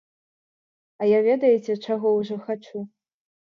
А я ведаеце чаго ўжо хачу?